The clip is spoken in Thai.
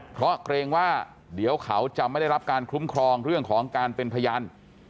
เพราะเกรงว่าเดี๋ยวเขาจะไม่ได้รับการคุ้มครองเรื่องของการเป็นพยาน